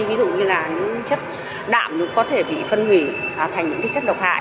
ví dụ như là những chất đạm có thể bị phân hủy thành những chất độc hại